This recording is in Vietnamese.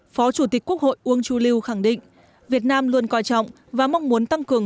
phó chủ tịch quốc hội uông chu lưu khẳng định việt nam luôn coi trọng và mong muốn tăng cường